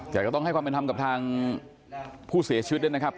แต่ก็ต้องให้ความเป็นธรรมกับทางผู้เสียชีวิตด้วยนะครับ